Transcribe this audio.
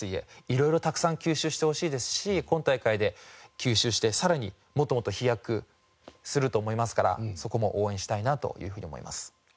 色々たくさん吸収してほしいですし今大会で吸収してさらにもっともっと飛躍すると思いますからそこも応援したいなというふうに思います。